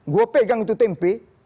gue pegang itu tempe